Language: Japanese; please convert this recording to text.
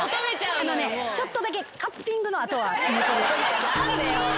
あのねちょっとだけカッピングの痕は。